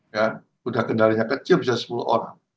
ya sudah kendalanya kecil bisa sepuluh orang